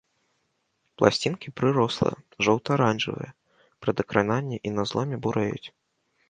Пласцінкі прырослыя, жоўта-аранжавыя, пры дакрананні і на зломе бурэюць.